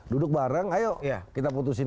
duduk bareng ayo kita putusin